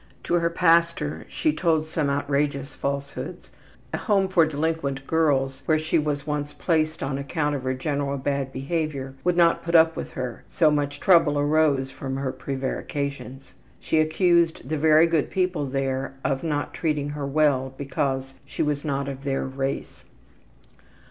To her pastor she told some outrageous falsehoods. A home for delinquent girls, where she was once placed on account of her general bad behavior, would not put up with her, so much trouble arose from her prevarications. She accused the very good people there of not treating her well because she was not of their race.